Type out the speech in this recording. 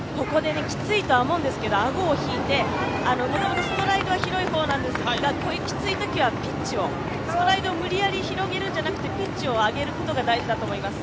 ここできついとは思うんですけど、顎を引いて、もともとストライドは広い方なんですが、こういうきついときはストライドを無理やり広げるのではなくてピッチを上げることが大事だと思います。